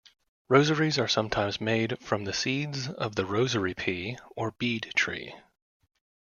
Rosaries are sometimes made from the seeds of the "rosary pea" or "bead tree".